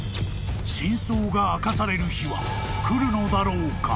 ［真相が明かされる日は来るのだろうか］